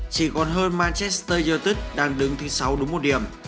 chỉ còn hơn manchester united đang đứng thứ sáu đúng một điểm